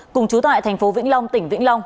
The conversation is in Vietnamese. cùng chú tại thành phố vĩnh long tỉnh vĩnh long